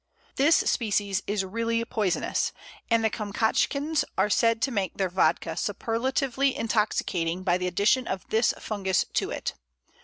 This species is really poisonous, and the Kamschatkans are said to make their vodka superlatively intoxicating by the addition of this fungus to it.